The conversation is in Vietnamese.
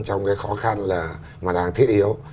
trong cái khó khăn mà đang thiết yếu